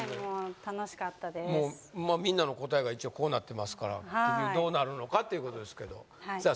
みんなの答えが一応こうなってますから結局どうなるのかっていうことですけどさあ